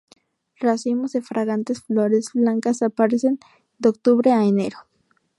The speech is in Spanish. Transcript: Racimos de fragantes flores blancas aparecen de octubre a enero.